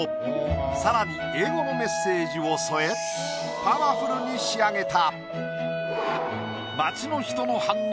さらに英語のメッセージを添えパワフルに仕上げた。